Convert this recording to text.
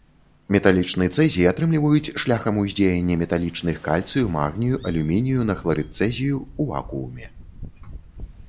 Металічны цэзій атрымліваюць шляхам уздзеяння металічных кальцыю, магнію, алюмінію на хларыд цэзію ў вакууме.